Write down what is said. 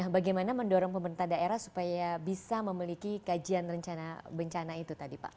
bagaimana mendorong pemerintah daerah supaya bisa memiliki kajian rencana bencana itu tadi pak